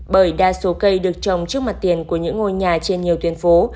bởi đa số cây được trồng trước mặt tiền của những ngôi nhà trên nhiều tuyến phố